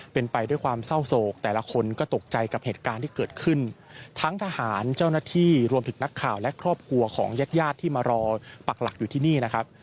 เป็นไปด้วยความเศร้าโศกแต่ละคนก็ตกใจกับเหตุการณ์ที่เกิดขึ้นทั้งทหารเจ้าหน้าที่รวมถึงนักข่าวและครอบครัวของญาติญาติที่มารอปักหลักอยู่ที่นี่นะครับ